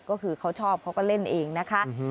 ก็คือเขาชอบเขาก็เล่นเองนะคะ